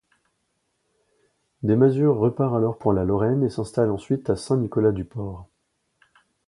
Des Masures repart alors pour la Lorraine et s'installe ensuite à Saint-Nicolas-du-Port.